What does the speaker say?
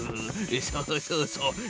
そうそうそうよし。